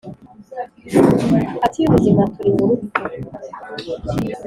hagati yubuzima turi mu rupfu